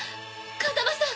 風間さん！